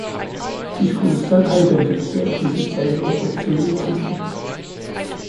De skulle selv have identificeret disse svagheder på et tidligt tidspunkt.